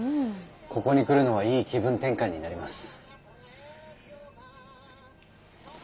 ここに来るのはいい気分転換になります。